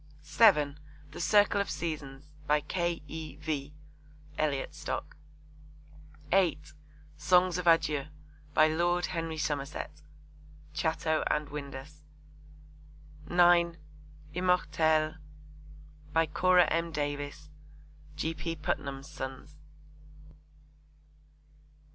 (7) The Circle of Seasons. By K. E. V. (Elliot Stock.) (8) Songs of Adieu. By Lord Henry Somerset. (Chatto and Windus.) (9) Immortelles. By Cora M. Davis. (G. P. Putnam's Sons.)